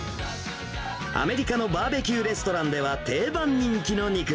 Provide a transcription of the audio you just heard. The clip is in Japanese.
アメリカのバーベキューレストランでは定番人気の肉。